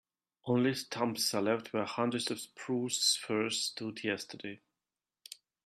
Only stumps are left where hundreds of spruce firs stood yesterday.